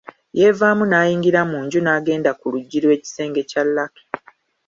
Yeevaamu n'ayingira mu nju n'agenda ku luggi lw’ekisenge kya Lucky.